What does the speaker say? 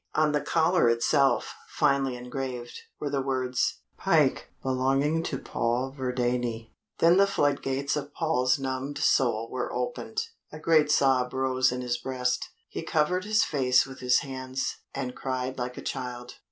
On the collar itself, finely engraved, were the words, "Pike, belonging to Paul Verdayne." Then the floodgates of Paul's numbed soul were opened, a great sob rose in his breast. He covered his face with his hands, and cried like a child.